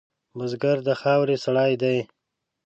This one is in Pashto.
بزګر د خاورې سړی دی